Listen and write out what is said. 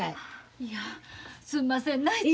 いやすんませんないつも。